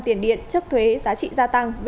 tiền điện trước thuế giá trị gia tăng